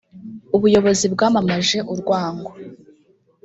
ubuyobozi bwamamaje urwango